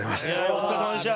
「お疲れさまでした」